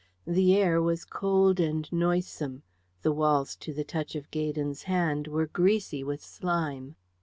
The air was cold and noisome; the walls to the touch of Gaydon's hand were greasy with slime.